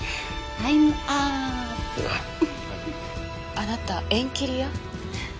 あなた縁切り屋？